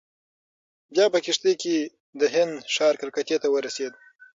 بیا په کښتۍ کې د هند ښار کلکتې ته ورسېد.